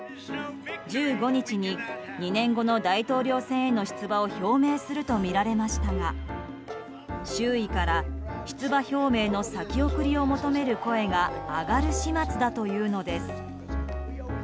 １５日に２年後の大統領選への出馬を表明するとみられましたが周囲から出馬表明の先送りを求める声が上がる始末だというのです。